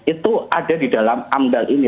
itu ada di dalam amdal ini